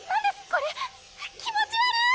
これ⁉気持ち悪い！